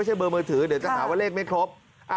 เบอร์มือถือเดี๋ยวจะหาว่าเลขไม่ครบ